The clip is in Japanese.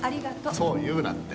そう言うなって。